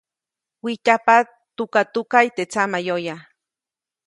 Wijtyajpa tukatukaʼy teʼ tsaʼmayoya.